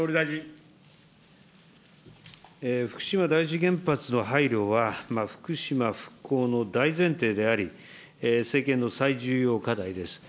福島第一原発の廃炉は、福島復興の大前提であり、政権の最重要課題です。